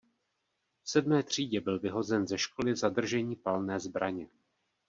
V sedmé třídě byl vyhozen ze školy za držení palné zbraně.